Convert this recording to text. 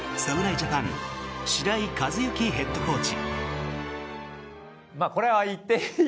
ジャパン白井一幸ヘッドコーチ。